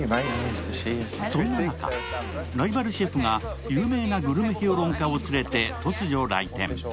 そんな中、ライバルシェフが有名なグルメ評論家を連れて突如、来店。